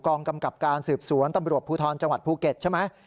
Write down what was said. กองกำกับการสืบสวนตำรวจภูทรภูเก็ตใช่ไหม